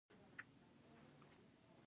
یوه اندازه نوره به یې متغیره پانګه وي